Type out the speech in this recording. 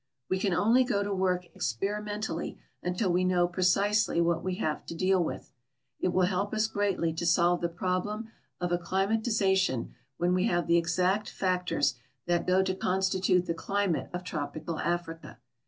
We can only go to work experimentally until we know l)recisely what we have to deal witli. It will help us greatly to solve the i)rol)lem of acclimatization when we have the exact fac tors that go to constitute the climate of tropical Africa.